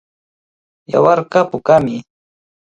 Yawarqa pukami.